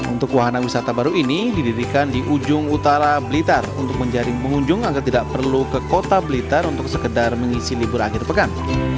untuk wahana wisata baru ini didirikan di ujung utara blitar untuk menjaring pengunjung agar tidak perlu ke kota blitar untuk sekedar mengisi libur akhir pekan